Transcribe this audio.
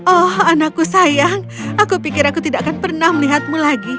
oh anakku sayang aku pikir aku tidak akan pernah melihatmu lagi